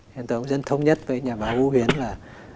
nên tôi cũng dân thông nhất với nhà báo u huyến là